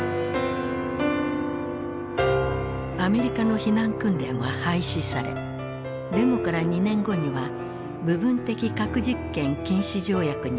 アメリカの避難訓練は廃止されデモから２年後には部分的核実験禁止条約に米ソも署名。